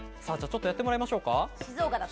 ちょっとやってもらいましょう。